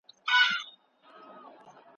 درېيم جواب دادی.